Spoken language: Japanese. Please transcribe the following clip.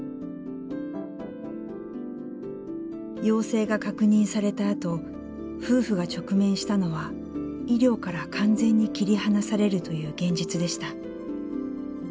陽性が確認されたあと夫婦が直面したのは医療から完全に切り離されるという現実でした。